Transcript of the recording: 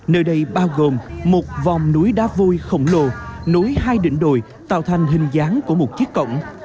nơi đây bao gồm một vòng núi đá vôi khổng lồ nối hai đỉnh đồi tạo thành hình dáng của một chiếc cổng